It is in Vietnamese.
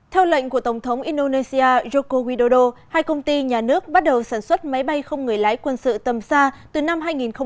theo lệnh của tổng thống indonesia joko widodo hai công ty nhà nước bắt đầu sản xuất máy bay không người lái quân sự tầm xa từ năm hai nghìn một mươi năm